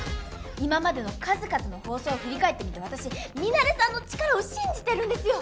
今までの数々の放送を振り返ってみて私ミナレさんの力を信じてるんですよ。